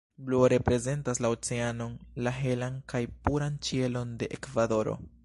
Bluo reprezentas la oceanon, la helan kaj puran ĉielon de Ekvadoro.